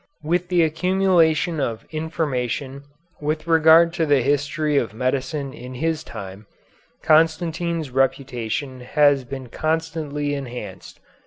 With the accumulation of information with regard to the history of medicine in his time, Constantine's reputation has been constantly enhanced.